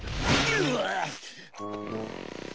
うわ！